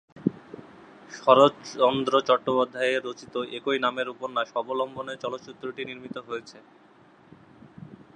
শরৎচন্দ্র চট্টোপাধ্যায় রচিত একই নামের উপন্যাস অবলম্বনে চলচ্চিত্রটি নির্মিত হয়েছে।